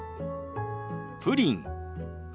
プリン。